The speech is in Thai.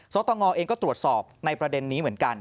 สตงเองก็ตรวจสอบในประเด็นนี้เหมือนกัน